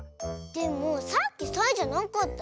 でもさっきサイじゃなかったよ。